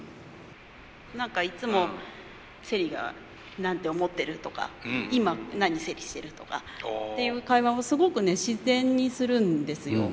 何かいつも「セリが何て思ってる」とか「今何セリしてる」とかっていう会話をすごくね自然にするんですよ。